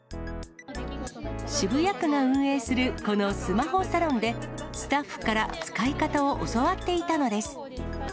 渋谷区が運営するこのスマホサロンで、スタッフから使い方を教わっていたのです。